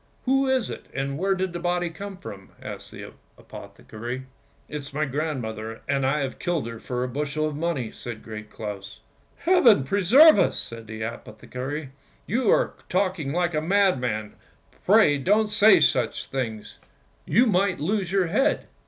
" Who is it, and where did the body come from? " asked the apothecary. "It is my grandmother, and I have killed her for a bushel of money! " said Great Claus. " Heaven preserve us! " said the apothecary. " You are talking like a, madman; pray don't say such things, you might lose your head!